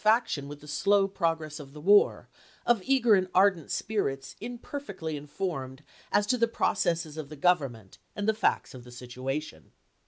factioii with the slow progress of the war of eager and ardent spirits imperfectly informed as to the processes of the Government and the facts of the situation.